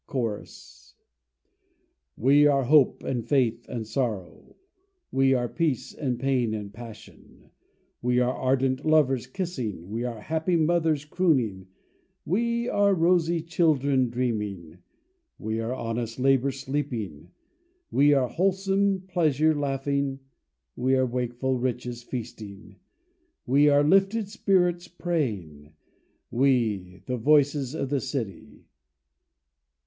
CHORUS We are hope and faith and sorrow, We are peace and pain and passion, We are ardent lovers kissing, We are happy mothers crooning, We are rosy children dreaming, We are honest labour sleeping, We are wholesome pleasure laughing, We are wakeful riches feasting, We are lifted spirits praying, We the voices of the city.